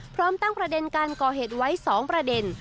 พร้อมตั้งประเด็นการก่อเหตุไว้๒ประเด็น